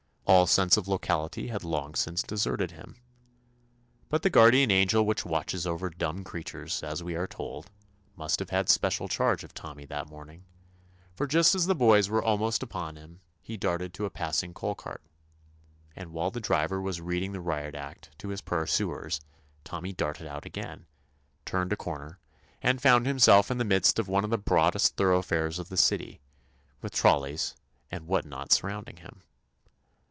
All sense of locality had long since deserted him. But the guard ian angel which watches over dumb creatures, as we are told, must have had special charge of Tommy that morning, for just as the boys were almost upon him he darted into a passing coal cart, and while the driver 144 TOMMY POSTOFFICE was reading the riot act to his pur suers, Tommy darted out again, turned a corner, and found himself in the midst of one of the broadest thor oughfares of the city, with trolleys and what not surrounding him.